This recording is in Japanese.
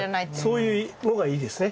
そういうのがいいですね。